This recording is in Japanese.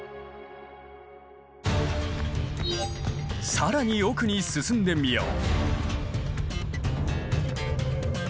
更に奥に進んでみよう。